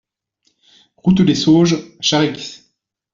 Route des Sauges, Charix